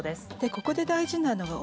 ここで大事なのが。